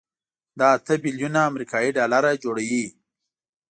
دا اته بيلیونه امریکایي ډالره جوړوي.